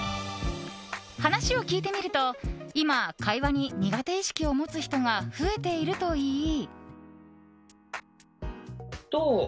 話を聞いてみると、今会話に苦手意識を持つ人が増えているといい。